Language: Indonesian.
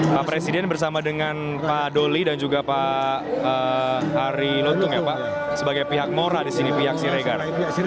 pak presiden bersama dengan pak doli dan juga pak ari luntung ya pak sebagai pihak mora di sini pihak siregar